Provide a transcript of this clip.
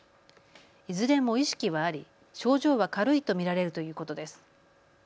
いずれも意識はあり、症状は軽いと見られるということです。